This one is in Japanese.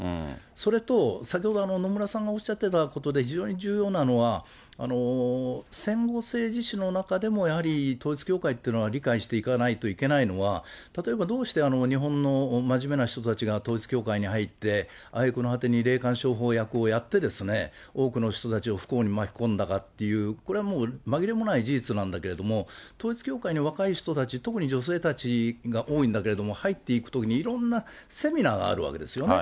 それと先ほど、野村さんがおっしゃってたことで非常に重要なのは、戦後政治史の中でも、やはり統一教会ってのは理解していかないといけないのは、例えばどうして日本の真面目な人たちが統一教会に入って、挙句の果てに霊感商法をやって、多くの人たちを不幸に巻き込んだかっていう、これはもうまぎれもない事実なんだけれども、統一教会の若い人たち、特に女性たちが多いんだけれども、入っていくときに、いろんなセミナーがあるわけですよね。